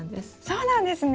そうなんですね。